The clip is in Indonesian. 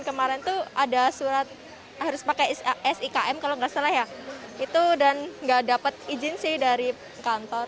kemarin tuh ada surat harus pakai sikm kalau nggak salah ya itu dan nggak dapat izin sih dari kantor